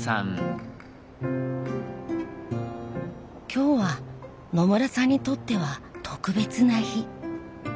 今日は野村さんにとっては特別な日。